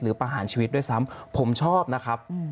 ประหารชีวิตด้วยซ้ำผมชอบนะครับ